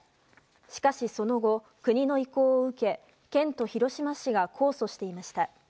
しかしその後、国の意向を受け県と広島市が控訴していました。